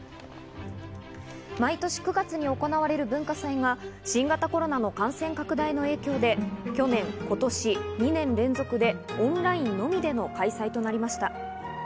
毎年９月に行われる文化祭が新型コロナの感染拡大の影響で去年、今年２年連続でオンラインのみでの開催となりました。